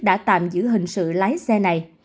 đã tạm giữ hình sự lái xe này